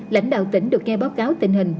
lãnh đạo tỉnh được nghe báo cáo tình hình